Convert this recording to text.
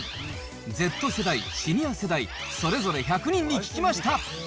Ｚ世代、シニア世代、それぞれ１００人に聞きました。